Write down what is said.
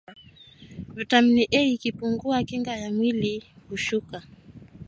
vitamin A ikipungua kinga ya mwili hushuka